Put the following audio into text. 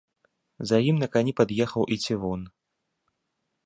За ім на кані пад'ехаў і цівун.